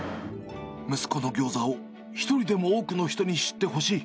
息子のギョーザを一人でも多くの人に知ってほしい。